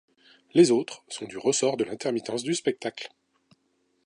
Les autres sont du ressort de l’intermittence du spectacle.